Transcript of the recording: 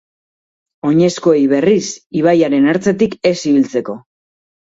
Oinezkoei, berriz, ibaiaren ertzetik ez ibiltzeko.